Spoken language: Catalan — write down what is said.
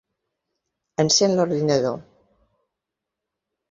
Encén l'ordinador.